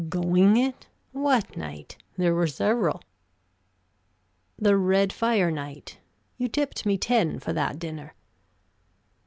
"Going it? What night? There were several." "The red fire night. You tipped me ten for that dinner."